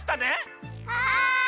はい！